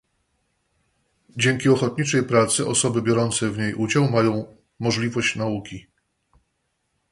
Dzięki ochotniczej pracy osoby biorące w niej udział mają możliwość nauki